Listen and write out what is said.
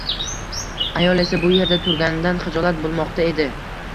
Ayol esa bu yerda turganidan xijolat bo‘lmoqda edi